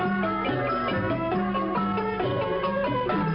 จบแล้วตรงโปรดอกพี่กุญทองท่านราชธานแด่พระบรมวงศานุวงศ์